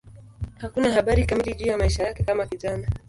Hakuna habari kamili juu ya maisha yake kama kijana.